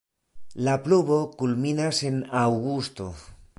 La pluvo kulminas en aŭgusto.